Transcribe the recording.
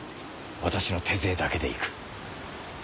私の手勢だけで行く。